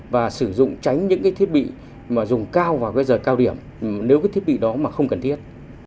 và sử dụng tránh những thiết bị mà dùng cao và gây rời cao điểm nếu cái thiết bị đó mà không cần thiết